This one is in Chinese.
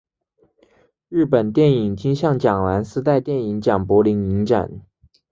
日本电影金像奖蓝丝带电影奖柏林影展